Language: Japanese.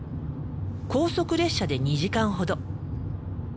高速列車で２時間ほど。